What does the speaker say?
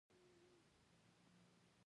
چې دا زما اختياري سوچ نۀ دے